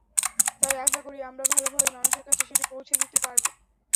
তাই আশা করি আমরা ভালোভাবেই মানুষের কাছে সেটি পৌঁছে দিতে পারব।